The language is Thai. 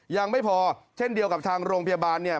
ยังไม่พอเช่นเดียวกับทางโรงพยาบาลเนี่ย